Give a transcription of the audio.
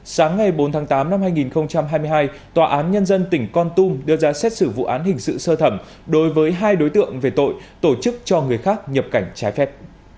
sáng ngày bốn tháng tám năm hai nghìn hai mươi hai tòa án nhân dân tỉnh con tum đưa ra xét xử vụ án hình sự sơ thẩm đối với hai đối tượng về tội tổ chức cho người khác nhập cảnh trái phép